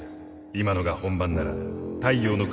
今のが本番なら太陽ノ国の勝利。